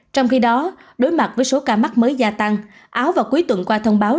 trong khi đó đối mặt với số ca mắc mới gia tăng áo vào cuối tuần qua thông báo